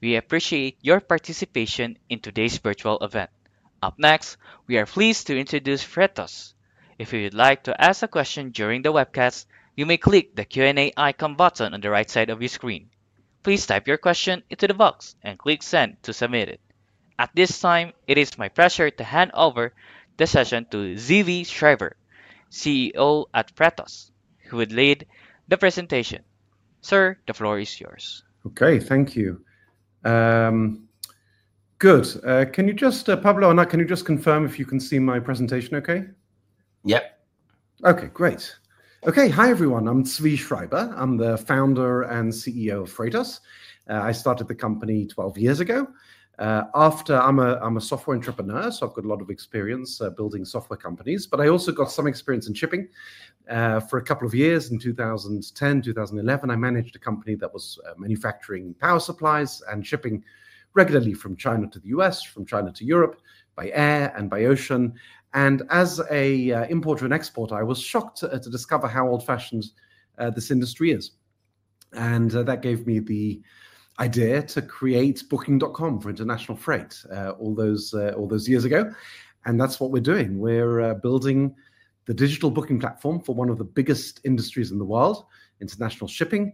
We appreciate your participation in today's virtual event. Up next, we are pleased to introduce Freightos. If you would like to ask a question during the webcast, you may click the Q&A icon button on the right side of your screen. Please type your question into the box and click Send to submit it. At this time, it is my pleasure to hand over the session to Zvi Schreiber, CEO at Freightos, who will lead the presentation. Sir, the floor is yours. Okay, thank you. Good. Can you just, Pablo or Anat, can you just confirm if you can see my presentation okay? Yep. Okay, great. Okay, hi everyone. I'm Zvi Schreiber. I'm the founder and CEO of Freightos. I started the company 12 years ago. I'm a software entrepreneur, so I've got a lot of experience building software companies, but I also got some experience in shipping. For a couple of years, in 2010, 2011, I managed a company that was manufacturing power supplies and shipping regularly from China to the U.S., from China to Europe, by air and by ocean. As an importer and exporter, I was shocked to discover how old-fashioned this industry is. That gave me the idea to create Booking.com for international freight all those years ago. That's what we're doing. We're building the digital booking platform for one of the biggest industries in the world, international shipping,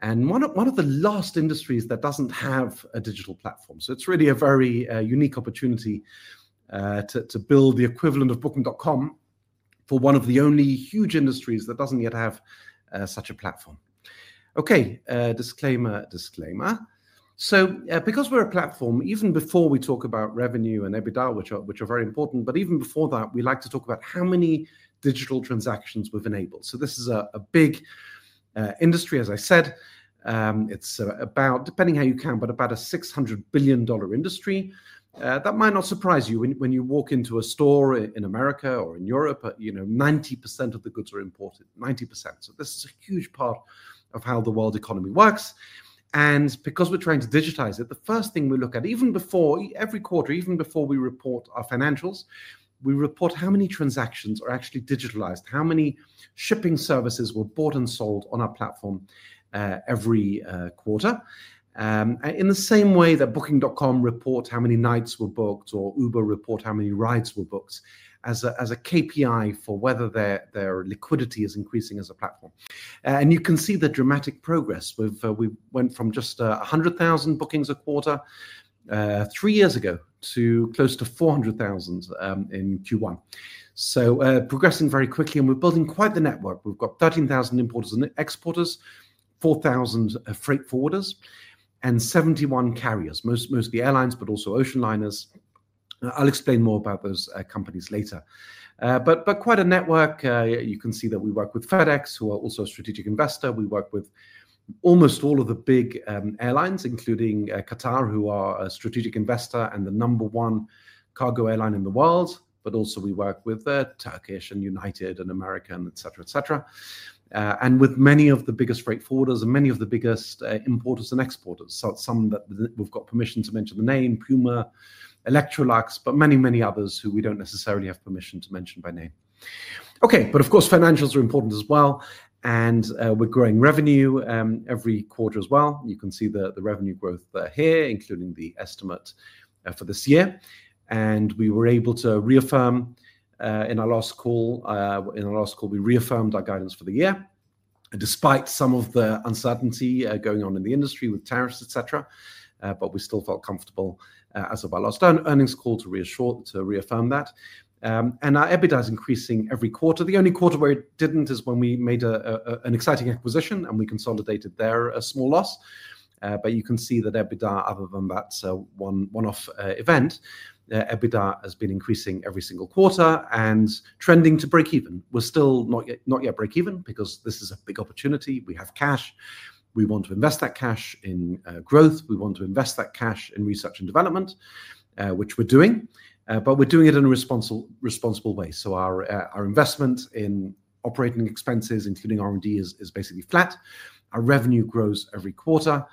and one of the last industries that doesn't have a digital platform. It's really a very unique opportunity to build the equivalent of Booking.com for one of the only huge industries that doesn't yet have such a platform. Okay, disclaimer, disclaimer. Because we're a platform, even before we talk about revenue and EBITDA, which are very important, but even before that, we like to talk about how many digital transactions we've enabled. This is a big industry, as I said. It's about, depending how you count, but about a $600 billion industry. That might not surprise you when you walk into a store in America or in Europe, 90% of the goods are imported, 90%. This is a huge part of how the world economy works. Because we're trying to digitize it, the first thing we look at, even before every quarter, even before we report our financials, we report how many transactions are actually digitalized, how many shipping services were bought and sold on our platform every quarter. In the same way that Booking.com reports how many nights were booked or Uber reports how many rides were booked as a KPI for whether their liquidity is increasing as a platform. You can see the dramatic progress. We went from just 100,000 bookings a quarter three years ago to close to 400,000 in Q1. Progressing very quickly, and we're building quite the network. We've got 13,000 importers and exporters, 4,000 freight forwarders, and 71 carriers, mostly airlines, but also ocean liners. I'll explain more about those companies later. Quite a network. You can see that we work with FedEx, who are also a strategic investor. We work with almost all of the big airlines, including Qatar, who are a strategic investor and the number one cargo airline in the world. We also work with Turkish and United and American, et cetera, et cetera. And with many of the biggest freight forwarders and many of the biggest importers and exporters. Some that we've got permission to mention the name, Puma, Electrolux, but many, many others who we do not necessarily have permission to mention by name. Okay, of course, financials are important as well. We are growing revenue every quarter as well. You can see the revenue growth here, including the estimate for this year. We were able to reaffirm in our last call, in our last call, we reaffirmed our guidance for the year. Despite some of the uncertainty going on in the industry with tariffs, et cetera, we still felt comfortable as of our last earnings call to reassure, to reaffirm that. Our EBITDA is increasing every quarter. The only quarter where it did not is when we made an exciting acquisition and we consolidated there a small loss. You can see that EBITDA, other than that one-off event, has been increasing every single quarter and trending to break even. We are still not yet break even because this is a big opportunity. We have cash. We want to invest that cash in growth. We want to invest that cash in research and development, which we are doing. We are doing it in a responsible way. Our investment in operating expenses, including R&D, is basically flat. Our revenue grows every quarter.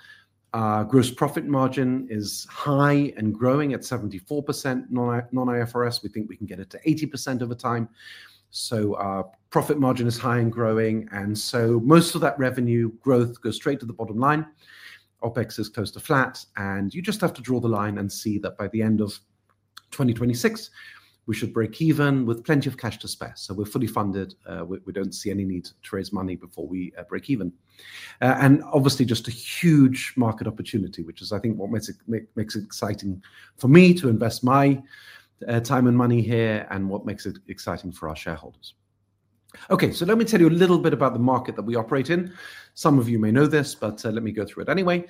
Our gross profit margin is high and growing at 74% non-IFRS. We think we can get it to 80% over time. Our profit margin is high and growing. Most of that revenue growth goes straight to the bottom line. OpEx is close to flat. You just have to draw the line and see that by the end of 2026, we should break even with plenty of cash to spare. We are fully funded. We do not see any need to raise money before we break even. Obviously just a huge market opportunity, which is, I think, what makes it exciting for me to invest my time and money here and what makes it exciting for our shareholders. Okay, let me tell you a little bit about the market that we operate in. Some of you may know this, but let me go through it anyway.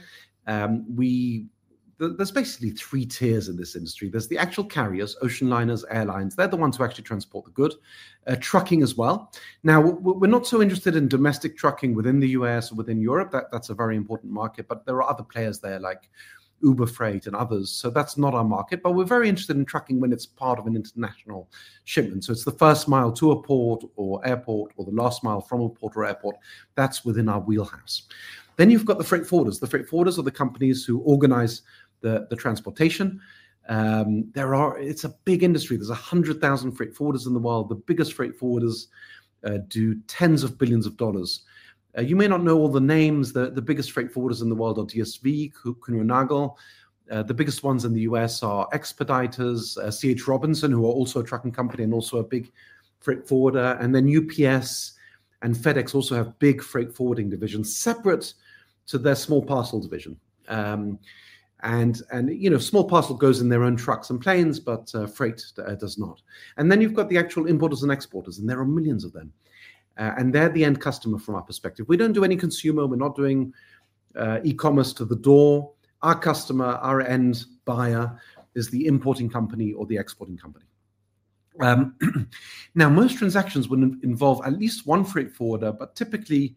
There's basically three tiers in this industry. There's the actual carriers, ocean liners, airlines. They're the ones who actually transport the good. Trucking as well. Now, we're not so interested in domestic trucking within the U.S. or within Europe. That's a very important market. There are other players there like Uber Freight and others. That's not our market. We're very interested in trucking when it's part of an international shipment. It's the first mile to a port or airport or the last mile from a port or airport. That's within our wheelhouse. Then you've got the freight forwarders. The freight forwarders are the companies who organize the transportation. It's a big industry. There are 100,000 freight forwarders in the world. The biggest freight forwarders do tens of billions of dollars. You may not know all the names. The biggest freight forwarders in the world are DSV, Kuehne + Nagel. The biggest ones in the U.S. are Expeditors, C.H. Robinson, who are also a trucking company and also a big freight forwarder. UPS and FedEx also have big freight forwarding divisions separate to their small parcel division. Small parcel goes in their own trucks and planes, but freight does not. You have the actual importers and exporters, and there are millions of them. They are the end customer from our perspective. We do not do any consumer. We are not doing e-commerce to the door. Our customer, our end buyer, is the importing company or the exporting company. Most transactions would involve at least one freight forwarder, but typically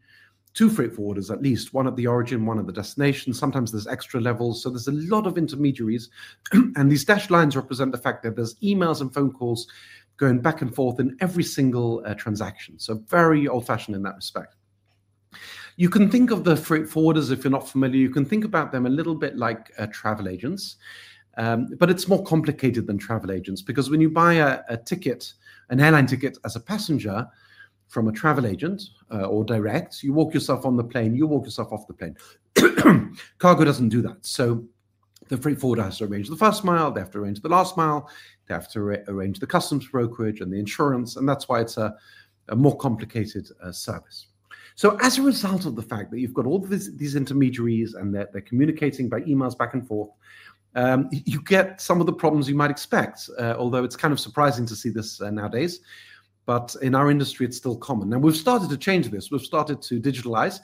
two freight forwarders at least, one at the origin, one at the destination. Sometimes there are extra levels. There are a lot of intermediaries. These dash lines represent the fact that there's emails and phone calls going back and forth in every single transaction. Very old-fashioned in that respect. You can think of the freight forwarders, if you're not familiar, you can think about them a little bit like travel agents. It is more complicated than travel agents because when you buy a ticket, an airline ticket as a passenger from a travel agent or direct, you walk yourself on the plane, you walk yourself off the plane. Cargo doesn't do that. The freight forwarder has to arrange the first mile, they have to arrange the last mile, they have to arrange the customs brokerage and the insurance. That's why it's a more complicated service. As a result of the fact that you've got all these intermediaries and they're communicating by emails back and forth, you get some of the problems you might expect, although it's kind of surprising to see this nowadays. In our industry, it's still common. We've started to change this. We've started to digitalize.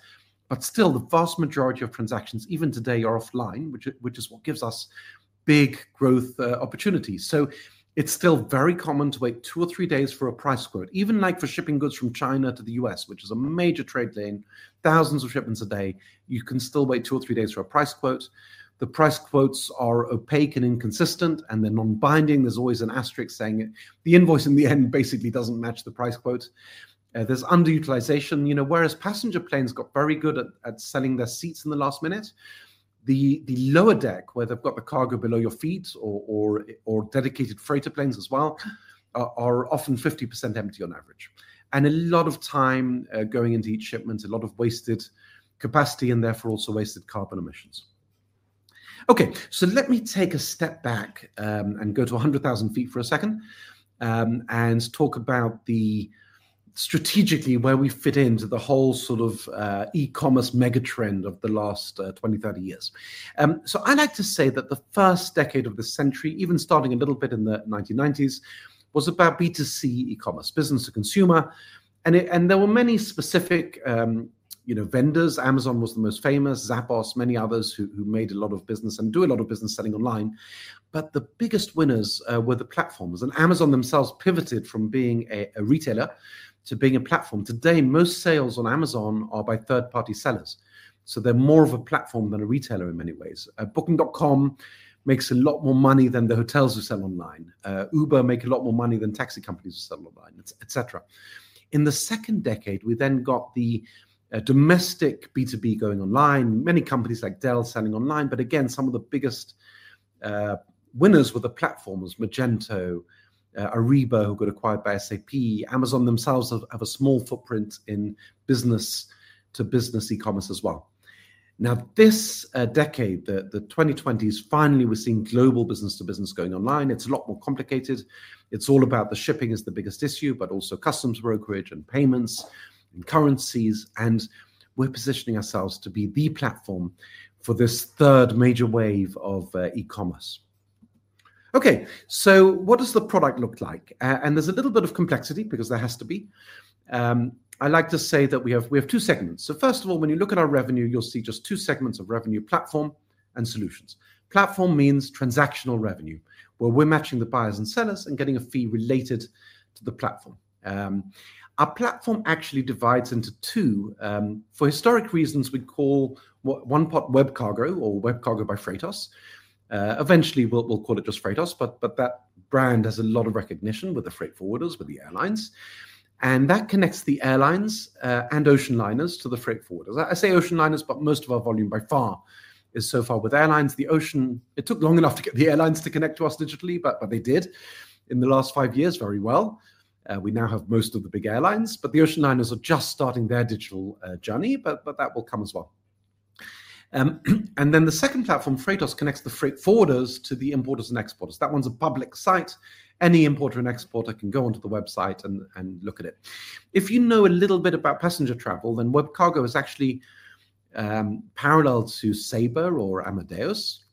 Still, the vast majority of transactions, even today, are offline, which is what gives us big growth opportunities. It's still very common to wait two or three days for a price quote, even like for shipping goods from China to the U.S., which is a major trade lane, thousands of shipments a day. You can still wait two or three days for a price quote. The price quotes are opaque and inconsistent, and they're non-binding. There's always an asterisk saying the invoice in the end basically doesn't match the price quote. There's underutilization. Whereas passenger planes got very good at selling their seats in the last minute, the lower deck, where they've got the cargo below your feet or dedicated freighter planes as well, are often 50% empty on average. A lot of time going into each shipment, a lot of wasted capacity and therefore also wasted carbon emissions. Okay, let me take a step back and go to 100,000 feet for a second and talk about strategically where we fit into the whole sort of e-commerce mega trend of the last 20, 30 years. I like to say that the first decade of the century, even starting a little bit in the 1990s, was about B2C e-commerce, business to consumer. There were many specific vendors. Amazon was the most famous, Zappos, many others who made a lot of business and do a lot of business selling online. The biggest winners were the platforms. Amazon themselves pivoted from being a retailer to being a platform. Today, most sales on Amazon are by third-party sellers. They are more of a platform than a retailer in many ways. Booking.com makes a lot more money than the hotels who sell online. Uber makes a lot more money than taxi companies who sell online, et cetera. In the second decade, we then got the domestic B2B going online, many companies like Dell selling online. Some of the biggest winners were the platforms, Magento, Ariba, who got acquired by SAP. Amazon themselves have a small footprint in business to business e-commerce as well. Now, this decade, the 2020s, finally we are seeing global business to business going online. It's a lot more complicated. It's all about the shipping is the biggest issue, but also customs brokerage and payments and currencies. We're positioning ourselves to be the platform for this third major wave of e-commerce. Okay, what does the product look like? There's a little bit of complexity because there has to be. I like to say that we have two segments. First of all, when you look at our revenue, you'll see just two segments of revenue, platform and solutions. Platform means transactional revenue, where we're matching the buyers and sellers and getting a fee related to the platform. Our platform actually divides into two. For historic reasons, we call one part WebCargo or WebCargo by Freightos. Eventually, we'll call it just Freightos. That brand has a lot of recognition with the freight forwarders, with the airlines. That connects the airlines and ocean liners to the freight forwarders. I say ocean liners, but most of our volume by far is so far with airlines. The ocean, it took long enough to get the airlines to connect to us digitally, but they did in the last five years very well. We now have most of the big airlines, but the ocean liners are just starting their digital journey, but that will come as well. The second platform, Freightos, connects the freight forwarders to the importers and exporters. That one's a public site. Any importer and exporter can go onto the website and look at it. If you know a little bit about passenger travel, then WebCargo is actually parallel to Sabre or Amadeus.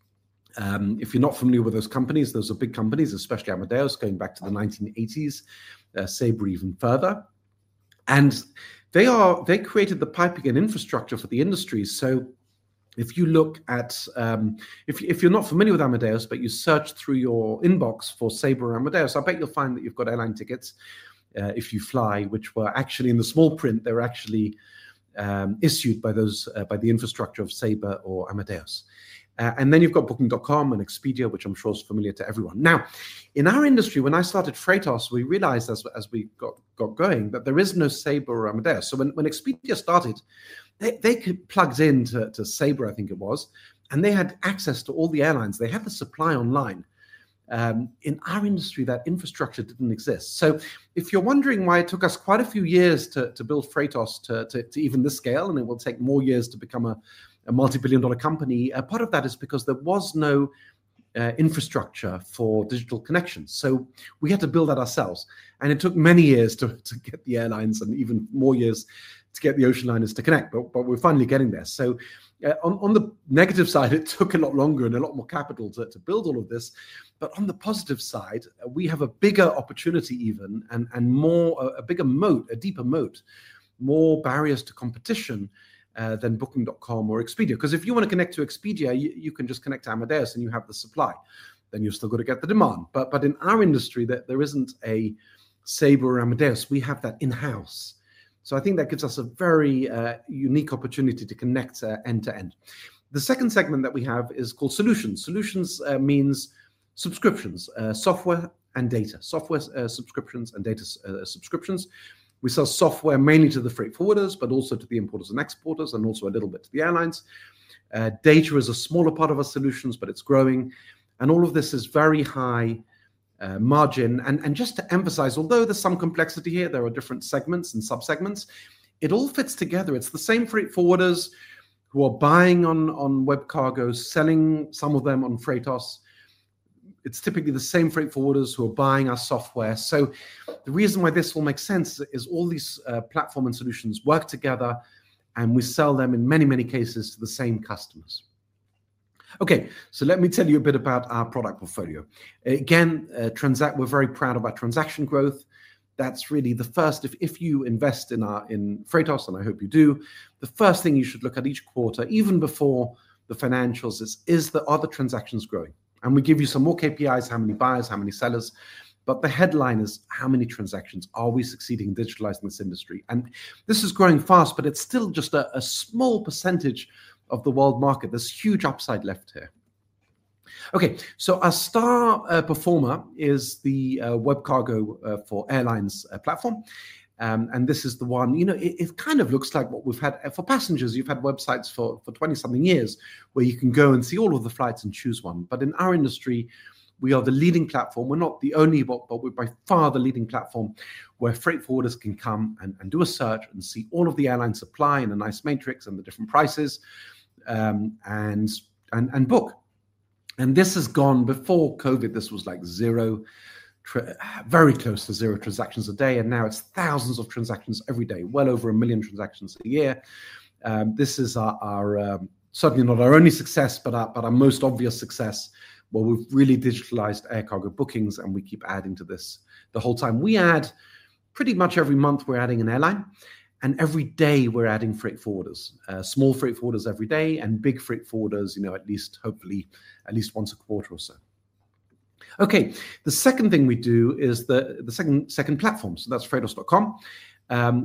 If you're not familiar with those companies, those are big companies, especially Amadeus going back to the 1980s, Sabre even further. They created the piping and infrastructure for the industry. If you look at, if you're not familiar with Amadeus, but you search through your inbox for Sabre or Amadeus, I bet you'll find that you've got airline tickets if you fly, which were actually in the small print. They were actually issued by the infrastructure of Sabre or Amadeus. You've got Booking.com and Expedia, which I'm sure is familiar to everyone. In our industry, when I started Freightos, we realized as we got going that there is no Sabre or Amadeus. When Expedia started, they plugged into Sabre, I think it was, and they had access to all the airlines. They had the supply online. In our industry, that infrastructure didn't exist. If you're wondering why it took us quite a few years to build Freightos to even this scale, and it will take more years to become a multi-billion dollar company, part of that is because there was no infrastructure for digital connections. We had to build that ourselves. It took many years to get the airlines and even more years to get the ocean liners to connect. We're finally getting there. On the negative side, it took a lot longer and a lot more capital to build all of this. On the positive side, we have a bigger opportunity even and a bigger moat, a deeper moat, more barriers to competition than Booking.com or Expedia. If you want to connect to Expedia, you can just connect to Amadeus and you have the supply. Then you're still going to get the demand. In our industry, there isn't a Sabre or Amadeus. We have that in-house. I think that gives us a very unique opportunity to connect end to end. The second segment that we have is called solutions. Solutions means subscriptions, software and data, software subscriptions and data subscriptions. We sell software mainly to the freight forwarders, but also to the importers and exporters and also a little bit to the airlines. Data is a smaller part of our solutions, but it's growing. All of this is very high margin. Just to emphasize, although there's some complexity here, there are different segments and subsegments, it all fits together. It's the same freight forwarders who are buying on WebCargo, selling some of them on Freightos. It's typically the same freight forwarders who are buying our software. The reason why this will make sense is all these platforms and solutions work together and we sell them in many, many cases to the same customers. Okay, let me tell you a bit about our product portfolio. Again, we're very proud of our transaction growth. That's really the first, if you invest in Freightos, and I hope you do, the first thing you should look at each quarter, even before the financials, is are the transactions growing. We give you some more KPIs, how many buyers, how many sellers. The headline is how many transactions are we succeeding in digitalizing this industry. This is growing fast, but it's still just a small percentage of the world market. There's huge upside left here. Okay, our star performer is the WebCargo for Airlines platform. This is the one, you know, it kind of looks like what we've had for passengers. You've had websites for 20-something years where you can go and see all of the flights and choose one. In our industry, we are the leading platform. We're not the only, but we're by far the leading platform where freight forwarders can come and do a search and see all of the airline supply in a nice matrix and the different prices and book. This has gone before COVID. This was like zero, very close to zero transactions a day. Now it's thousands of transactions every day, well over a million transactions a year. This is certainly not our only success, but our most obvious success where we've really digitalized air cargo bookings and we keep adding to this the whole time. We add pretty much every month we're adding an airline and every day we're adding freight forwarders, small freight forwarders every day and big freight forwarders, you know, at least hopefully at least once a quarter or so. Okay, the second thing we do is the second platform. So that's Freightos.com,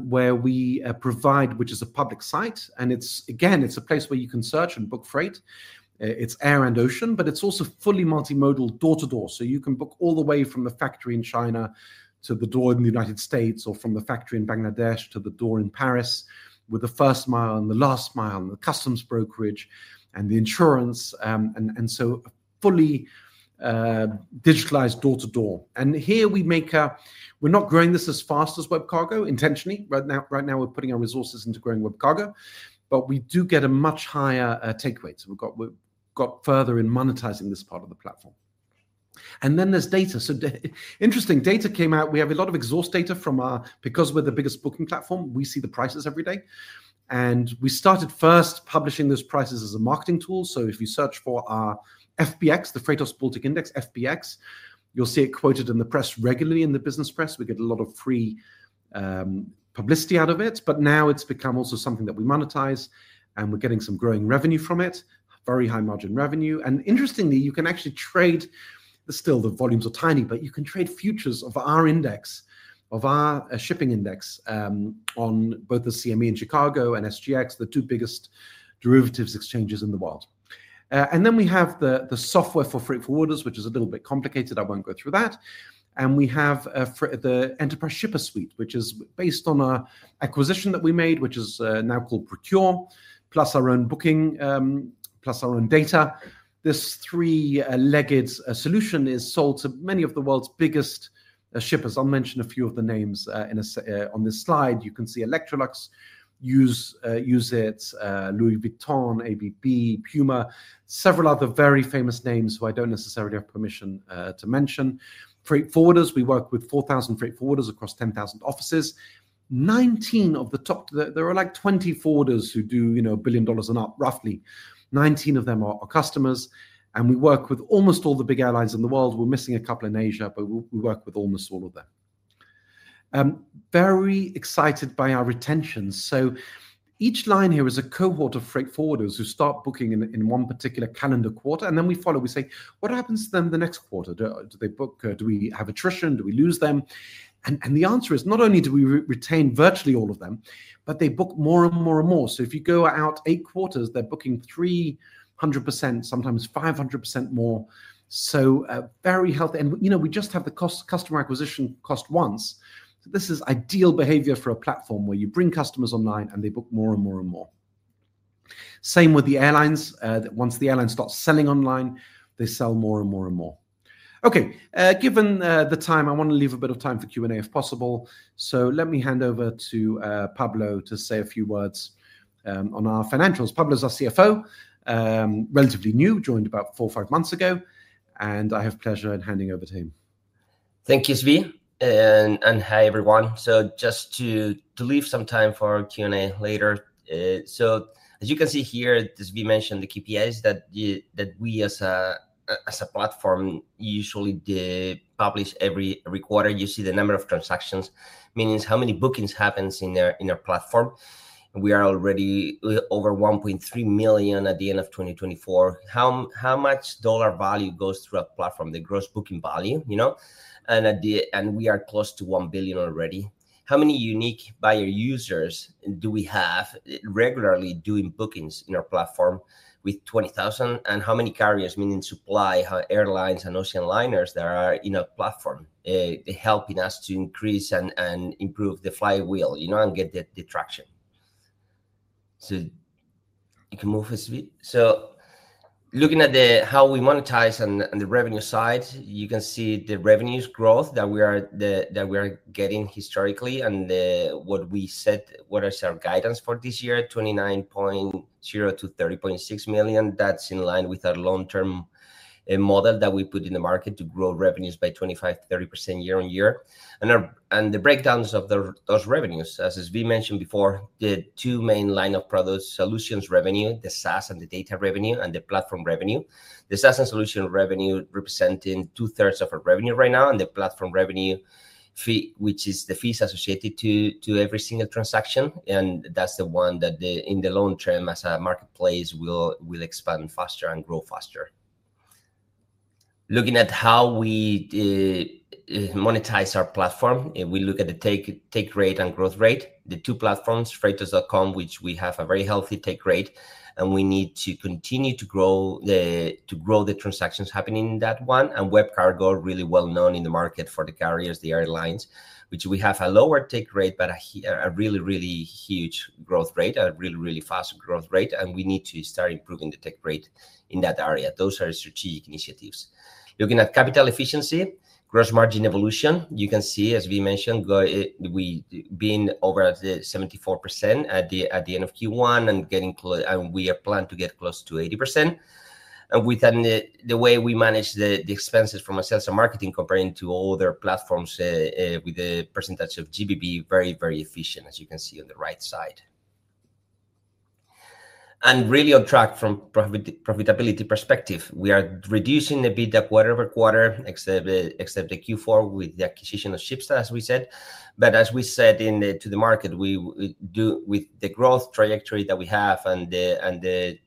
where we provide, which is a public site. It's, again, it's a place where you can search and book freight. It's air and ocean, but it's also fully multimodal door-to-door. You can book all the way from the factory in China to the door in the United States or from the factory in Bangladesh to the door in Paris with the first mile and the last mile and the customs brokerage and the insurance. Fully digitalized door-to-door. Here we make, we're not growing this as fast as WebCargo intentionally. Right now, we're putting our resources into growing WebCargo, but we do get a much higher take rate. So we've got further in monetizing this part of the platform. And then there's data. So interesting data came out. We have a lot of exhaust data from our, because we're the biggest booking platform, we see the prices every day. And we started first publishing those prices as a marketing tool. So if you search for our FBX, the Freightos Baltic Index, FBX, you'll see it quoted in the press regularly in the business press. We get a lot of free publicity out of it, but now it's become also something that we monetize and we're getting some growing revenue from it, very high margin revenue. Interestingly, you can actually trade, still the volumes are tiny, but you can trade futures of our index, of our shipping index on both the CME in Chicago and SGX, the two biggest derivatives exchanges in the world. We have the software for freight forwarders, which is a little bit complicated. I won't go through that. We have the enterprise shipper suite, which is based on an acquisition that we made, which is now called Procure, plus our own booking, plus our own data. This three-legged solution is sold to many of the world's biggest shippers. I'll mention a few of the names on this slide. You can see Electrolux uses it, Louis Vuitton, ABB, Puma, several other very famous names who I don't necessarily have permission to mention. Freight forwarders, we work with 4,000 freight forwarders across 10,000 offices. Nineteen of the top, there are like twenty forwarders who do a billion dollars and up, roughly. Nineteen of them are customers. And we work with almost all the big airlines in the world. We're missing a couple in Asia, but we work with almost all of them. Very excited by our retention. Each line here is a cohort of freight forwarders who start booking in one particular calendar quarter. We follow, we say, what happens to them the next quarter? Do they book? Do we have attrition? Do we lose them? The answer is not only do we retain virtually all of them, but they book more and more and more. If you go out eight quarters, they're booking 300%, sometimes 500% more. Very healthy. You know, we just have the customer acquisition cost once. This is ideal behavior for a platform where you bring customers online and they book more and more and more. Same with the airlines. Once the airlines start selling online, they sell more and more and more. Given the time, I want to leave a bit of time for Q&A if possible. Let me hand over to Pablo to say a few words on our financials. Pablo is our CFO, relatively new, joined about four or five months ago. I have pleasure in handing over to him. Thank you, Zvi. Hi everyone. Just to leave some time for Q&A later. As you can see here, Zvi mentioned the KPIs that we as a platform usually publish every quarter. You see the number of transactions, meaning how many bookings happen in our platform. We are already over 1.3 million at the end of 2024. How much dollar value goes through our platform, the gross booking value, you know? And we are close to $1 billion already. How many unique buyer users do we have regularly doing bookings in our platform with 20,000? And how many carriers, meaning supply, how airlines and ocean liners that are in our platform, helping us to increase and improve the flywheel, you know, and get the traction? You can move a bit. Looking at how we monetize and the revenue side, you can see the revenues growth that we are getting historically and what we set, what is our guidance for this year, $29.0 million -$30.6 million. That is in line with our long-term model that we put in the market to grow revenues by 25%-30% year on year. The breakdowns of those revenues, as Zvi mentioned before, the two main lines of product solutions revenue, the SaaS and the data revenue and the platform revenue. The SaaS and solution revenue representing two-thirds of our revenue right now and the platform revenue fee, which is the fees associated to every single transaction. That is the one that in the long term as a marketplace will expand faster and grow faster. Looking at how we monetize our platform, we look at the take rate and growth rate, the two platforms, Freightos.com, which we have a very healthy take rate, and we need to continue to grow the transactions happening in that one. And WebCargo, really well known in the market for the carriers, the airlines, which we have a lower take rate, but a really, really huge growth rate, a really, really fast growth rate. We need to start improving the take rate in that area. Those are strategic initiatives. Looking at capital efficiency, gross margin evolution, you can see, as we mentioned, we have been over the 74% at the end of Q1 and getting close, and we are planned to get close to 80%. With the way we manage the expenses from a sales and marketing comparing to other platforms with the percentage of GBV, very, very efficient, as you can see on the right side. Really on track from a profitability perspective, we are reducing a bit that quarter over quarter, except the Q4 with the acquisition of SHIPSTAR, as we said. As we said to the market, with the growth trajectory that we have and the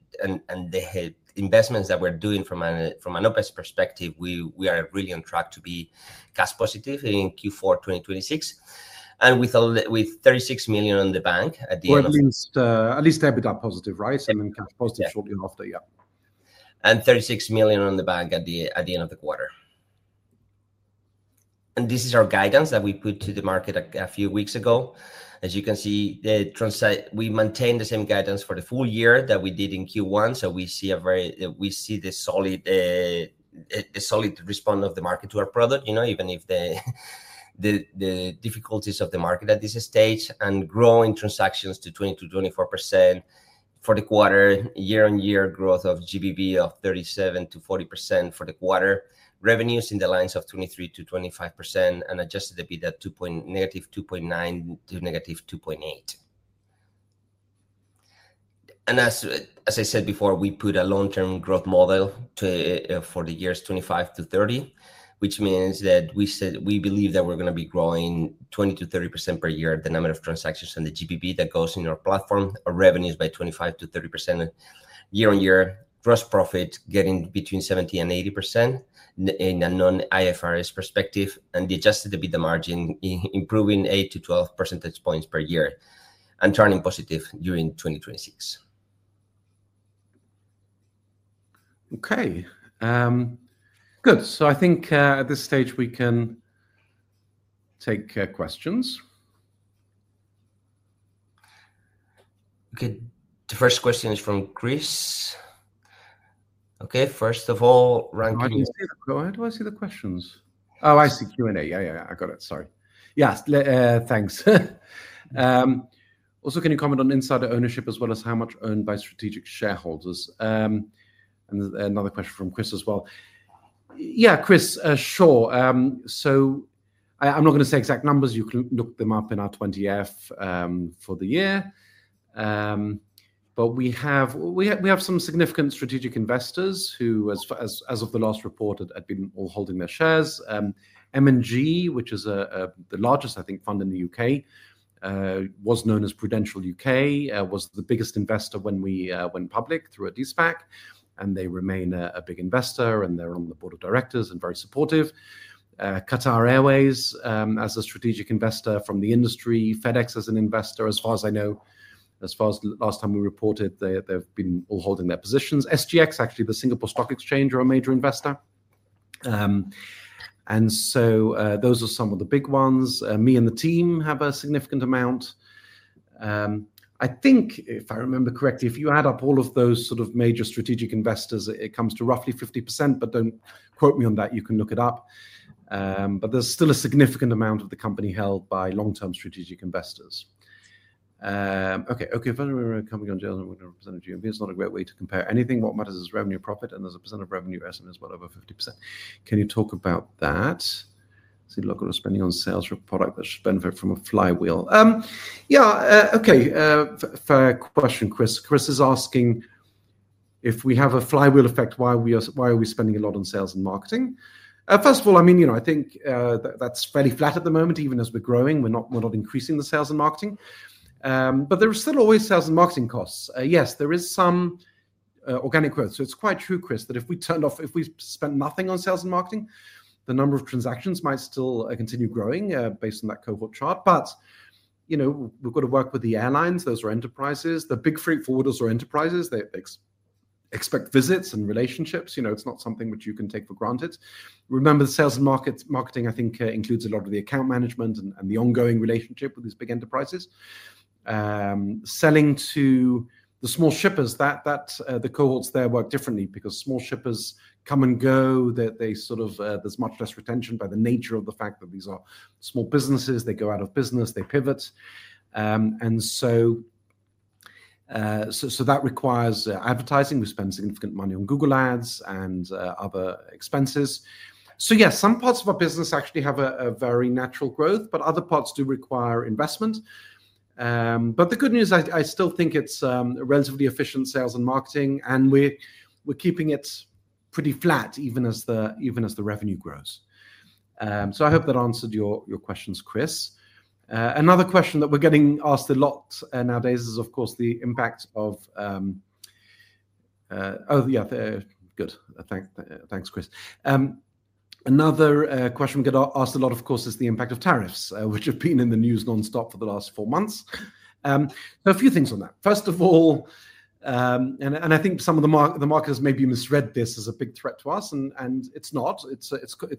investments that we are doing from an OpEx perspective, we are really on track to be cash positive in Q4 2026. With $36 million on the bank at the end of the quarter. At least they'll be EBITDA positive, right? And then cash positive shortly after, yeah. And $36 million on the bank at the end of the quarter. This is our guidance that we put to the market a few weeks ago. As you can see, we maintain the same guidance for the full year that we did in Q1. We see a very, we see the solid response of the market to our product, you know, even if the difficulties of the market at this stage and growing transactions to 20%-24% for the quarter, year on year growth of GBV of 37%-40% for the quarter, revenues in the lines of 23%-25% and adjusted EBITDA negative 2.9 to negative 2.8. As I said before, we put a long-term growth model for the years 2025 to 2030, which means that we believe that we're going to be growing 20%-30% per year, the number of transactions and the GBV that goes in our platform, our revenues by 25%-30% year on year, gross profit getting between 70%-80% in a non-IFRS perspective, and the adjusted EBITDA margin, improving 8-12 percentage points per year and turning positive during 2026. Okay. Good. I think at this stage we can take questions. Okay. The first question is from Chris. Okay. First of all, ranking. Go ahead. Who asked the questions? Oh, I see Q&A. Yeah, yeah, yeah. I got it. Sorry. Yes. Thanks. Also, can you comment on insider ownership as well as how much earned by strategic shareholders? Another question from Chris as well. Yeah, Chris, sure. I'm not going to say exact numbers. You can look them up in our 20F for the year. We have some significant strategic investors who, as of the last report, had been all holding their shares. M&G, which is the largest, I think, fund in the U.K., was known as Prudential U.K., was the biggest investor when we went public through a DSPAC. They remain a big investor and they're on the board of directors and very supportive. Qatar Airways as a strategic investor from the industry. FedEx as an investor, as far as I know, as far as last time we reported, they've been all holding their positions. SGX, actually, the Singapore Stock Exchange, are a major investor. Those are some of the big ones. Me and the team have a significant amount. I think, if I remember correctly, if you add up all of those sort of major strategic investors, it comes to roughly 50%, but do not quote me on that. You can look it up. There is still a significant amount of the company held by long-term strategic investors. Okay, okay, if I remember coming on, Jalen, we are going to represent a GMV. It is not a great way to compare anything. What matters is revenue profit. There is a percent of revenue estimate as well over 50%. Can you talk about that? Look at what we are spending on sales for a product that should benefit from a flywheel. Yeah, okay. Fair question, Chris. Chris is asking if we have a flywheel effect, why are we spending a lot on sales and marketing? First of all, I mean, you know, I think that's fairly flat at the moment, even as we're growing. We're not increasing the sales and marketing. There are still always sales and marketing costs. Yes, there is some organic growth. It's quite true, Chris, that if we turned off, if we spent nothing on sales and marketing, the number of transactions might still continue growing based on that cohort chart. You know, we've got to work with the airlines. Those are enterprises. The big freight forwarders are enterprises. They expect visits and relationships. You know, it's not something which you can take for granted. Remember, the sales and marketing, I think, includes a lot of the account management and the ongoing relationship with these big enterprises. Selling to the small shippers, the cohorts there work differently because small shippers come and go. They sort of, there's much less retention by the nature of the fact that these are small businesses. They go out of business. They pivot. That requires advertising. We spend significant money on Google Ads and other expenses. Yes, some parts of our business actually have a very natural growth, but other parts do require investment. The good news, I still think it's relatively efficient sales and marketing, and we're keeping it pretty flat even as the revenue grows. I hope that answered your questions, Chris. Another question that we're getting asked a lot nowadays is, of course, the impact of, oh, yeah, good. Thanks, Chris. Another question we get asked a lot, of course, is the impact of tariffs, which have been in the news nonstop for the last four months. A few things on that. First of all, and I think some of the marketers maybe misread this as a big threat to us, and it's not. It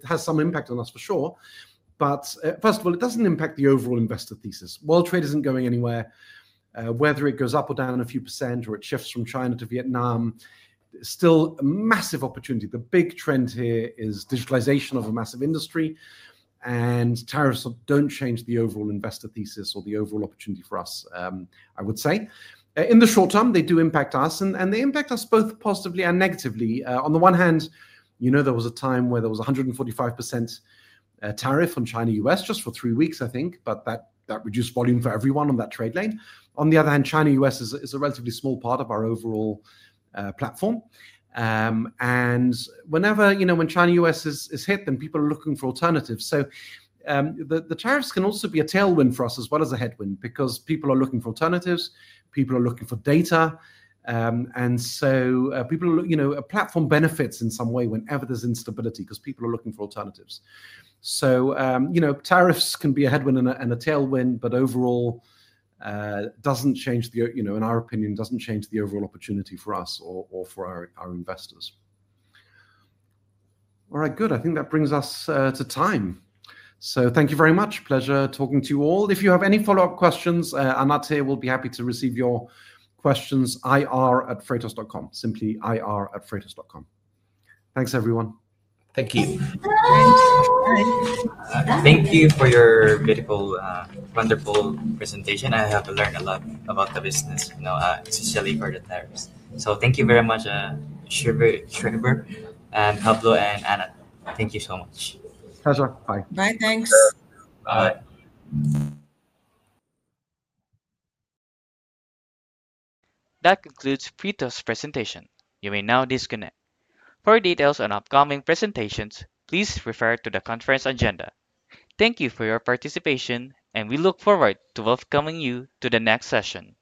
has some impact on us for sure. First of all, it does not impact the overall investor thesis. World trade is not going anywhere. Whether it goes up or down a few percent or it shifts from China to Vietnam, still a massive opportunity. The big trend here is digitalization of a massive industry. Tariffs do not change the overall investor thesis or the overall opportunity for us, I would say. In the short term, they do impact us, and they impact us both positively and negatively. On the one hand, you know, there was a time where there was a 145% tariff on China-U.S. just for three weeks, I think, but that reduced volume for everyone on that trade lane. On the other hand, China U.S. is a relatively small part of our overall platform. And whenever, you know, when China US. is hit, then people are looking for alternatives. So the tariffs can also be a tailwind for us as well as a headwind because people are looking for alternatives. People are looking for data. And so people, you know, a platform benefits in some way whenever there's instability because people are looking for alternatives. So, you know, tariffs can be a headwind and a tailwind, but overall, does not change the, you know, in our opinion, does not change the overall opportunity for us or for our investors. All right, good. I think that brings us to time. So thank you very much. Pleasure talking to you all. If you have any follow-up questions, Anat will be happy to receive your questions. ir@freightos.com, simply ir@freightos.com. Thanks, everyone. Thank you. Thank you for your beautiful, wonderful presentation. I have learned a lot about the business, you know, especially for the tariffs. So thank you very much, Zvi Schreiber, and Pablo and Anat. Thank you so much. Pleasure. Bye. Bye, thanks. Bye. That concludes Freightos' presentation. You may now disconnect. For details on upcoming presentations, please refer to the conference agenda. Thank you for your participation, and we look forward to welcoming you to the next session.